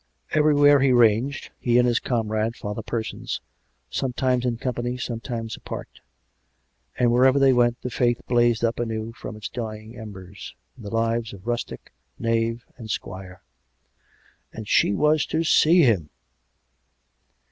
Everywhere he ranged, he and his comrade. Father Persons, sometimes in company, sometimes apart; and wherever they went the Faith blazed up anew from its dying embers, in the lives of rustic knave and squire. And she was to see him!